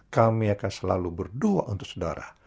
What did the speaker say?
kami akan selalu berdoa untuk saudara